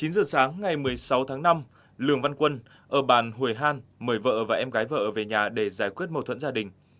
chín giờ sáng ngày một mươi sáu tháng năm lường văn quân ở bàn hủy han mời vợ và em gái vợ về nhà để giải quyết mâu thuẫn gia đình